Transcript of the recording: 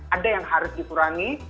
ada yang harus dikurangi